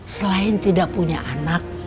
selain tidak punya anak